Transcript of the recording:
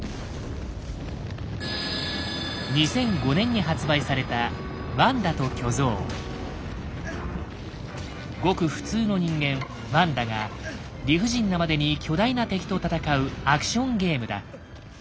２００５年に発売されたごく普通の人間「ワンダ」が理不尽なまでに巨大な敵と戦うアクションゲームだ。